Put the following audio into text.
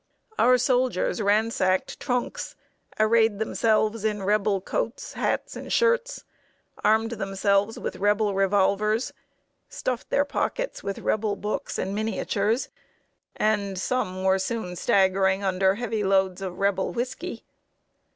Our soldiers ransacked trunks, arrayed themselves in Rebel coats, hats, and shirts, armed themselves with Rebel revolvers, stuffed their pockets with Rebel books and miniatures, and some were soon staggering under heavy loads of Rebel whisky.